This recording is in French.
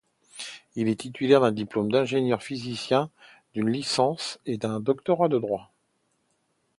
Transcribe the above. Il est titulaire d'un diplôme d'ingénieur-physicien, d'une licence et d'un doctorat en droit.